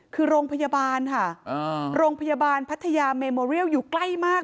คือโรงพยาบาลค่ะโรงพยาบาลพัทยาเมโมเรียลอยู่ใกล้มาก